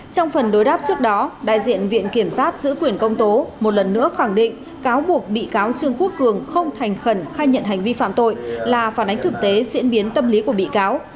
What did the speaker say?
trong phần đối đáp trước đó đại diện viện kiểm sát giữ quyền công tố một lần nữa khẳng định cáo buộc bị cáo trương quốc cường không thành khẩn khai nhận hành vi phạm tội là phản ánh thực tế diễn biến tâm lý của bị cáo